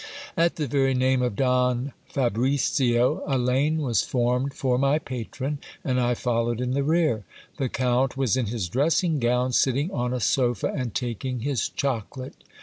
At the very name of Don Fabricio, a lane was formed for my patron, and I followed in the rear. The count was in his dressing gown, sitting on a sofa and taking his chocolate.